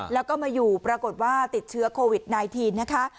แล้วก็มาอยู่ปรากฏว่าติดเชื้อโควิด๑๙นะคะ